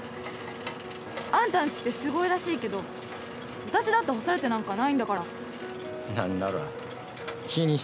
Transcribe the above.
あんたん家ってすごいらしいけど私だって干されてなんかないんだから。